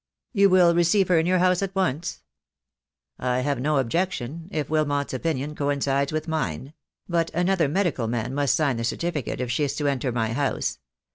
"You will receive her in your house at once?" "I have no objection, if Wilmot's opinion coincides with mine; but another medical man must sign the certi 2 62 THE DAY WILL COME. ficate if she is to enter my house.